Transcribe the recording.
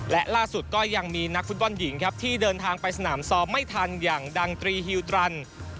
และล่าสุดก็ยังมีนักฟุตบอลหญิงครับที่เดินทางไปสนามซ้อมไม่ทันอย่างดังตรีฮิวตรัน